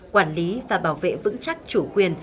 quản lý và bảo vệ vững chắc chủ quyền